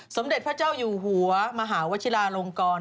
สมเด็จพระเจ้าหญิงมหาวชิลารงกร